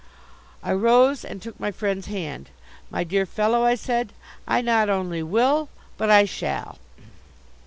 I rose and took my Friend's hand. "My dear fellow," I said, "I not only will, but I shall."